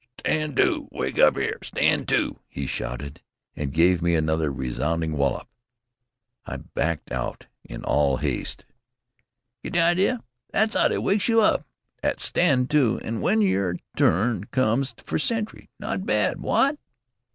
"Stand to! Wyke up 'ere! Stand to!" he shouted, and gave me another resounding wallop. I backed out in all haste. "Get the idea? That's 'ow they wykes you up at stand to, or w'en your turn comes fer sentry. Not bad, wot?"